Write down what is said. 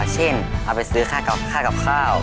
เช่นเอาไปซื้อค่ากับข้าว